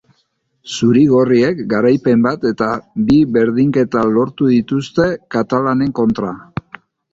Zuri-gorriek garaipen bat eta bi berdinketa lortu dituzte katalanen kontra.